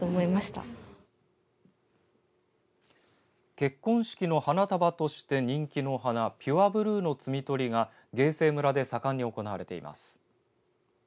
結婚式の花束として人気の花ピュアブルーの摘み取りが芸西村で盛んに行われています。